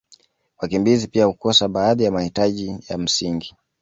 wakimbizi pia hukosa baadhi ya nahitaji ya msingi